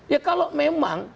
ya kalau memang